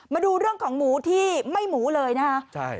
มาดูเรื่องของหมูที่ไม่หมูเลยนะคะ